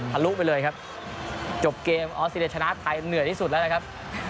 ลุไปเลยครับจบเกมออสเตรเลียชนะไทยเหนื่อยที่สุดแล้วนะครับ